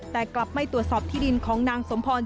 แต่กลับไม่ตรวจสอบที่ดินของนางสมพร